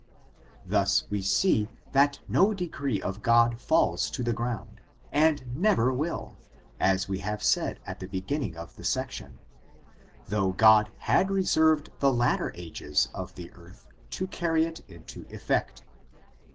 Thus we see that no decree of God falls to the ground, and never will, as we have said at the beginning of the section, though God had reserved the latter ages of the earth to carry it into effect.